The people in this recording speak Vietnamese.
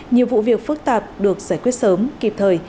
nhiều vụ việc phức tạp được giải quyết sớm kịp thời